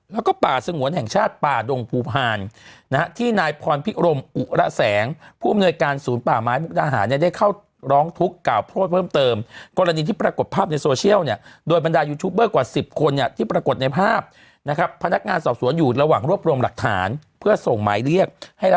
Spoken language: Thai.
แล้วก็ป่าสงวนแห่งชาติป่าดงภูพาลนะฮะที่นายพรพิรมอุระแสงผู้อำนวยการศูนย์ป่าไม้มุกดาหารเนี่ยได้เข้าร้องทุกข์กล่าวโทษเพิ่มเติมกรณีที่ปรากฏภาพในโซเชียลเนี่ยโดยบรรดายูทูบเบอร์กว่าสิบคนเนี่ยที่ปรากฏในภาพนะครับพนักงานสอบสวนอยู่ระหว่างรวบรวมหลักฐานเพื่อส่งหมายเรียกให้ระ